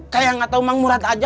kayak gak tahu mang murad aja